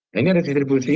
nah ini ada distribusi